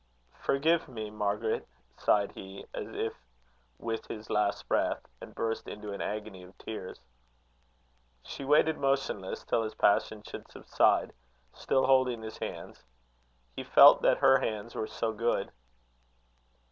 "Forgive me, Margaret," sighed he, as if with his last breath, and burst into an agony of tears. She waited motionless, till his passion should subside, still holding his hands. He felt that her hands were so good.